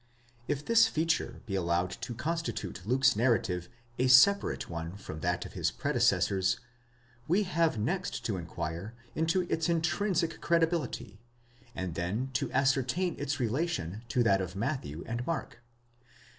If this feature be allowed to constitute Luke's narrative a separate one from that of his predecessors, we have next to inquire into its intrinsic credibility, and then to ascertain its relation to that of Matthew and Mark.